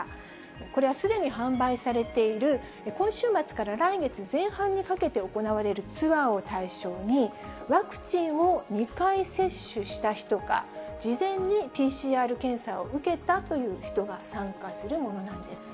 これはすでに販売されている、今週末から来月前半にかけて行われるツアーを対象に、ワクチンを２回接種した人か、事前にＰＣＲ検査を受けたという人が参加するものなんです。